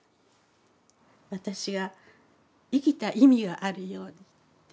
私が生きた意味があるようにっていう。